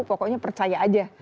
pokoknya percaya aja